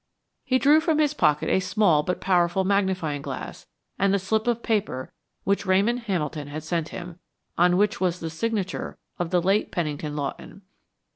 He drew from his pocket a small but powerful magnifying glass and the slip of paper which Ramon Hamilton had sent him, on which was the signature of the late Pennington Lawton.